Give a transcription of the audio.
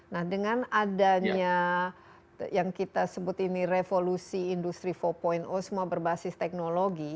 nah dengan adanya yang kita sebut ini revolusi industri empat semua berbasis teknologi